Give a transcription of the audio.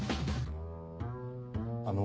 あの。